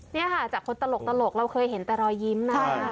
นี่ค่ะจากคนตลกเราเคยเห็นแต่รอยยิ้มนะคะ